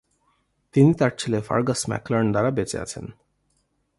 তিনি তার ছেলে ফার্গাস ম্যাকলারন দ্বারা বেঁচে আছেন।